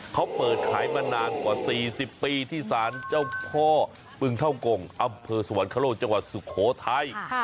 เขาเปิดขายมานานกว่า๔๐ปีที่สารเจ้าพ่อปึงเท่ากงอำเภอสวรรคโลกจังหวัดสุโขทัย